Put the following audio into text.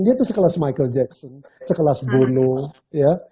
dia itu sekelas michael jackson sekelas bruno ya